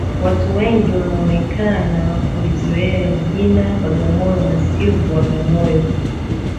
Watu wengi wanaonekana kulizoea jina bagamoyo na sio bwagamoyo